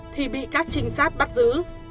thì mình sẽ đồng ý